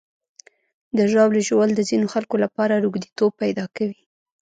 د ژاولې ژوول د ځینو خلکو لپاره روږديتوب پیدا کوي.